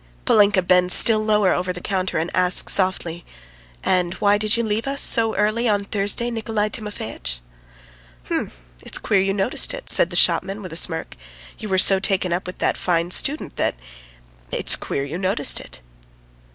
Polinka bends still lower over the counter and asks softly: "And why did you leave us so early on Thursday, Nikolay Timofeitch?" "Hm! It's queer you noticed it," says the shopman, with a smirk. "You were so taken up with that fine student that ... it's queer you noticed it!"